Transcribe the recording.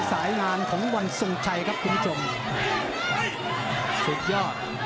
สายงานของวันทรงชัยครับคุณผู้ชมสุดยอด